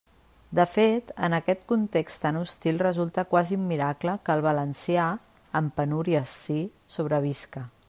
De fet, en aquest context tan hostil resulta quasi un «miracle» que el valencià —amb penúries, sí— sobrevisca.